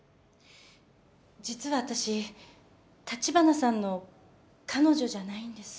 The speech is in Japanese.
実は私立花さんの彼女じゃないんです。